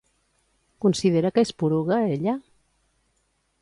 Considera que és poruga, ella?